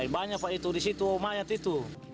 banyak pak itu di situ mayat itu